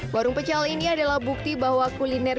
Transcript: warung pecel ini adalah bukti bahwa kuliner